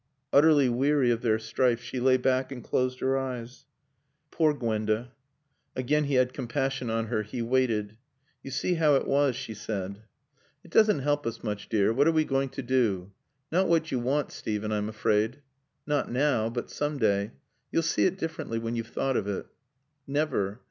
Utterly weary of their strife, she lay back and closed her eyes. "Poor Gwenda." Again he had compassion on her. He waited. "You see how it was," she said. "It doesn't help us much, dear. What are we going to do?" "Not what you want, Steven, I'm afraid." "Not now. But some day. You'll see it differently when you've thought of it." "Never.